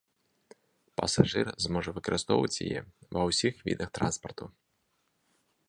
Пасажыр зможа выкарыстоўваць яе ва ўсіх відах транспарту.